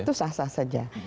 itu sah sah saja